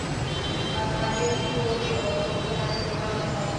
کاریز ټول پوښلی لغم و.